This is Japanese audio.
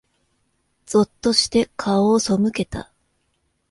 ぞっとして、顔を背けた。